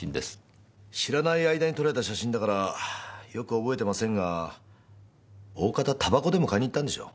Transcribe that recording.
知らない間に撮られた写真だからよく覚えてませんが大方タバコでも買いに行ったんでしょう。